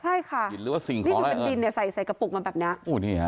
ใช่ค่ะดินใส่กระปุกมันแบบนี้